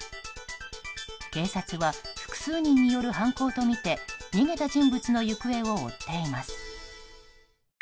警察は、複数人による犯行とみて逃げた人物の行方を追っています。